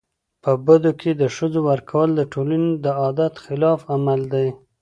په بدو کي د ښځو ورکول د ټولني د عدالت خلاف عمل دی.